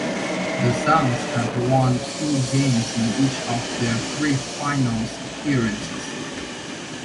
The Suns have won two games in each of their three Finals appearances.